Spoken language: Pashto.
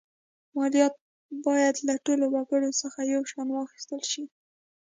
مالیات باید له ټولو وګړو څخه یو شان واخیستل شي.